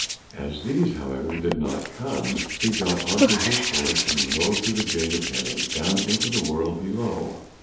As these, however, did not come, he got on his horse and rode through the gate of heaven, down into the world below.